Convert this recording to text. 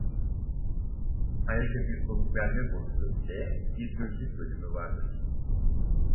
Ayrıca bir soluk verme borusu ile bir gözlük bölümü vardır.